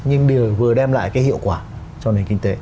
nhưng vừa đem lại cái hiệu quả cho nền kinh tế